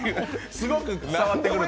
すごく伝わってくるという。